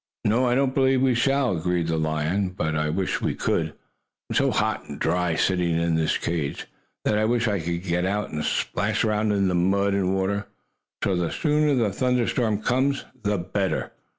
"No, I don't believe we shall," agreed the lion. "But I wish we could. I am so hot and dry, sitting in this cage, that I wish I could get out and splash around in the mud and water. So the sooner the thunder storm comes the better."